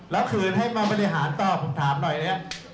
แล้วคืนให้มาบริหารต่อผมถามหน่อยเนี่ย